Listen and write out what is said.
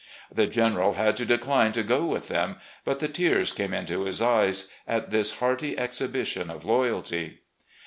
The General had to decline to go with them, but the tears came into his eyes at this hearty exhibition of loyalty.